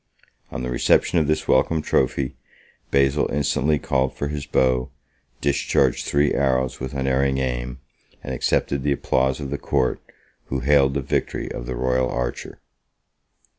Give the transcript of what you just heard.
On the reception of this welcome trophy, Basil instantly called for his bow, discharged three arrows with unerring aim, and accepted the applause of the court, who hailed the victory of the royal archer.